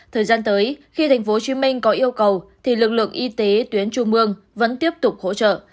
thời gian tới khi tp hcm có yêu cầu thì lực lượng y tế tuyến trung mương vẫn tiếp tục hỗ trợ